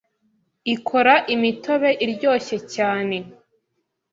ikora imitobe iryoshye cyane